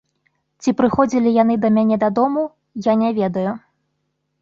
Ці прыходзілі яны да мяне дадому, я не ведаю.